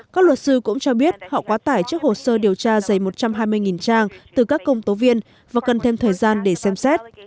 các luật sư cũng cho biết họ quá tải trước hồ sơ điều tra dày một trăm hai mươi trang từ các công tố viên và cần thêm thời gian để xem xét